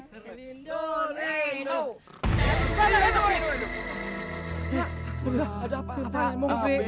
terlindung terlindung terlindung terlindung